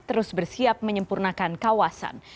terus bersiap menyempurnakan kawasan